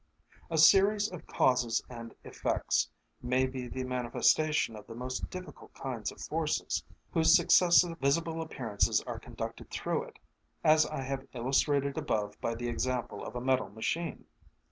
A series of causes and effects may be the manifestation of the most different kinds of forces, whose successive visible appearances are conducted through it, as I have illustrated above by the example of a metal machine.